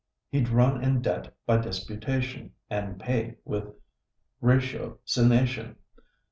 He'd run in debt by disputation, And pay with ratiocination.